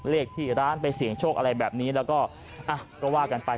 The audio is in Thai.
เลขที่ร้านไปเสี่ยงโชคอะไรแบบนี้แล้วก็อ่ะก็ว่ากันไป